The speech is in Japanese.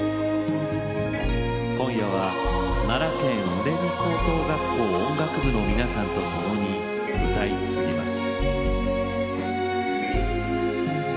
今夜は奈良県立畝傍高等学校音楽部の皆さんとともに歌い継ぎます。